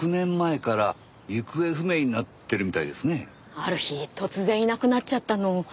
ある日突然いなくなっちゃったの。